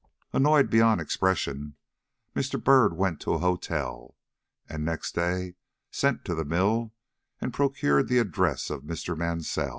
Annoyed beyond expression, Mr. Byrd went to a hotel, and next day sent to the mill and procured the address of Mr. Mansell.